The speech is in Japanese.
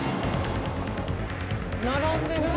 並んでる。